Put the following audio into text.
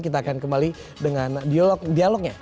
kita akan kembali dengan dialognya